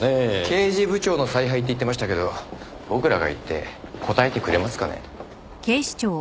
刑事部長の采配って言ってましたけど僕らが行って答えてくれますかね？